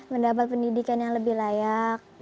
mendapat pendidikan yang lebih layak